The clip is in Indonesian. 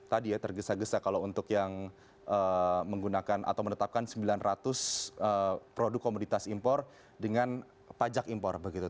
tadi ya tergesa gesa kalau untuk yang menggunakan atau menetapkan sembilan ratus produk komoditas impor dengan pajak impor begitu